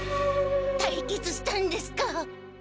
対決したんですか？